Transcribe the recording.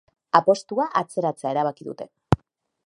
Apostua atzeratzea erabaki dute.